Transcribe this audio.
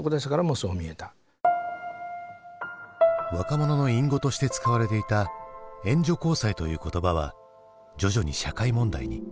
若者の隠語として使われていた「援助交際」という言葉は徐々に社会問題に。